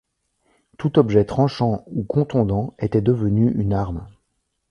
Tout objet tranchant ou contondant était devenu une arme.